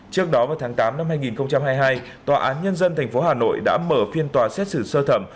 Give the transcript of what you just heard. trước đó vào tháng tám năm hai nghìn hai mươi hai tòa án nhân dân tp hà nội đã mở phiên tòa xét xử sơ thẩm